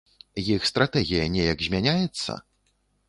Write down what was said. Іх стратэгія неяк змяняецца?